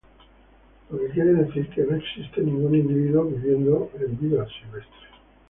Lo que quiere decir que no existe ningún individuo viviendo en vida silvestre.